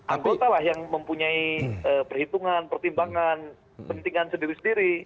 anggota lah yang mempunyai perhitungan pertimbangan pentingkan sendiri sendiri